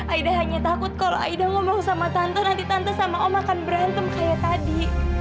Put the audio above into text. aida hanya takut kalau aida ngomong sama tante nanti tante sama om akan berantem kayak tadi